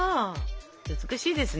美しいですね。